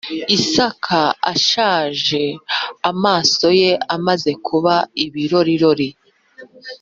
Isaka ashaje amaso ye amaze kuba ibirorirori